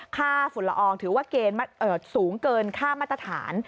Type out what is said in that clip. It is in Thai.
ฝุ่นละอองถือว่าเกณฑ์สูงเกินค่ามาตรฐาน